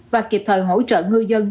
và kịp thời hỗ trợ ngư dân